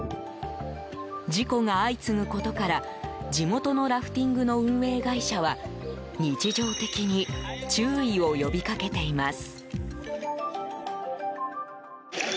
事故が相次ぐことから地元のラフティングの運営会社は日常的に注意を呼びかけています。